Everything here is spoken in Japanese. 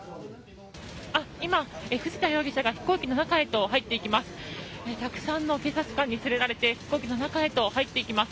今、藤田容疑者が飛行機の中へと入っていきます。